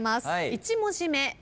１文字目。